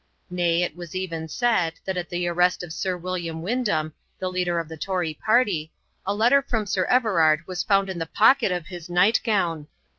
Nay, it was even said, that at the arrest of Sir William Wyndham, the leader of the Tory party, a letter from Sir Everard was found in the pocket of his night gown.